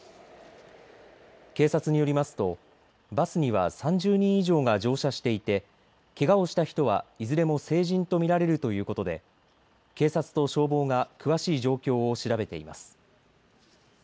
警察によりますとバスには３０人以上が乗車していてけがをした人はいずれも成人と見られるということで警察と消防が詳しい状況を調べています。